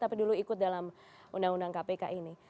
tapi dulu ikut dalam undang undang kpk ini